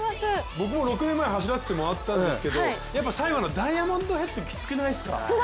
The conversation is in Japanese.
僕も６年前走らせてもらったんですけどやっぱ最後のダイヤモンドヘッド、きつくないですか？